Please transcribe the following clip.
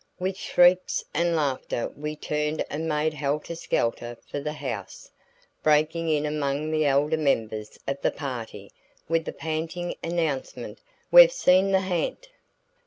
With shrieks and laughter we turned and made helter skelter for the house, breaking in among the elder members of the party with the panting announcement, "We've seen the ha'nt!"